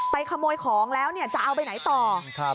ขโมยของแล้วจะเอาไปไหนต่อ